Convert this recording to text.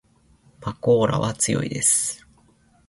まこーらは強いです